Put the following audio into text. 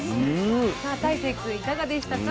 さあ大聖君いかがでしたか？